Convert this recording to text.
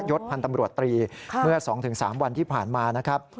ศพันธ์ตำรวจตรีเมื่อ๒๓วันที่ผ่านมานะครับ